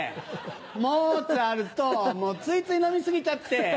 モツあるともうついつい飲み過ぎちゃって。